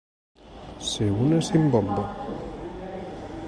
Ser una simbomba.